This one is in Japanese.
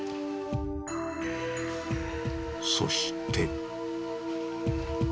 そして。